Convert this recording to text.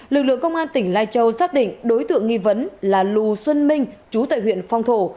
lực lượng công an tỉnh lai châu xác định đối tượng nghi vấn là lù xuân minh chú tại huyện phong thổ